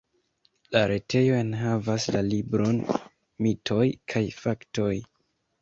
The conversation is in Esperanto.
La retejo enhavas la libron Mitoj kaj Faktoj.